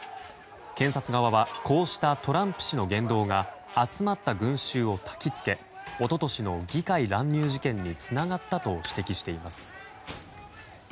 検察側はこうしたトランプ氏の言動が集まった群衆をたきつけ一昨年の議会乱入事件につながったと指摘しています。